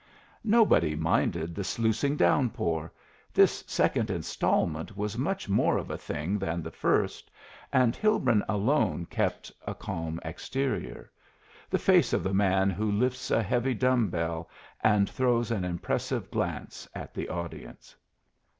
Nobody minded the sluicing downpour this second instalment was much more of a thing than the first and Hilbrun alone kept a calm exterior the face of the man who lifts a heavy dumb bell and throws an impressive glance at the audience.